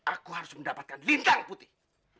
aku harus mendapatkan lintang putih